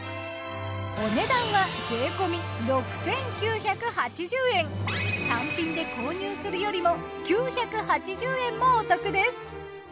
お値段は単品で購入するよりも９８０円もお得です。